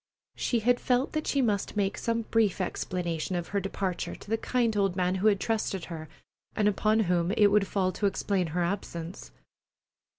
She had felt that she must make some brief explanation of her departure to the kind old man who had trusted her, and upon whom it would fall to explain her absence.